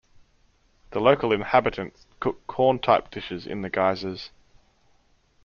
The local inhabitants cook corn-type dishes in the geysers.